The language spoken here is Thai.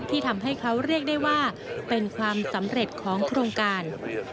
ทำให้เขาเรียกได้ว่าเป็นความสำเร็จของโครงการ